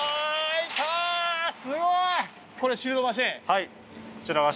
はい。